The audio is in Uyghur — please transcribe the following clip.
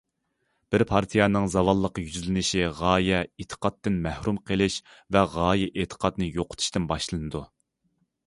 بىر پارتىيەنىڭ زاۋاللىققا يۈزلىنىشى غايە- ئېتىقادتىن مەھرۇم قېلىش ۋە غايە- ئېتىقادنى يوقىتىشتىن باشلىنىدۇ.